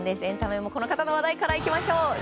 エンタメもこの方の話題からいきましょう。